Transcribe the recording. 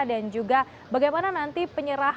dan juga bagaimana nanti penyelesaiannya